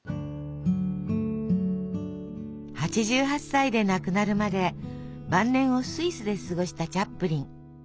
８８歳で亡くなるまで晩年をスイスで過ごしたチャップリン。